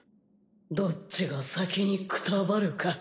どっちが先にくたばるか。